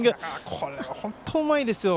これ、本当にうまいですよ。